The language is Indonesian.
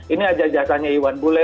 ini ada jasanya iwan bule